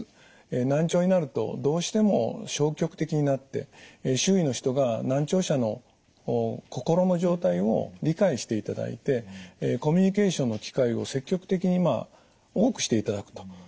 難聴になるとどうしても消極的になって周囲の人が難聴者の心の状態を理解していただいてコミュニケーションの機会を積極的に多くしていただくと。